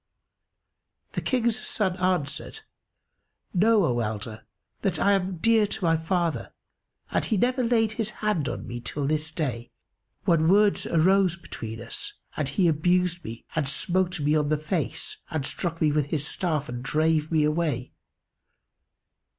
The King's son answered, "Know, O elder, that I am dear to my father and he never laid his hand on me till this day, when words arose between us and he abused me and smote me on the face and struck me with his staff and drave me away.